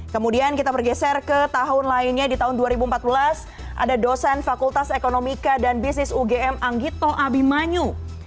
kemudian kita bergeser ke tahun lainnya di tahun dua ribu empat belas ada dosen fakultas ekonomika dan bisnis ugm anggito abimanyu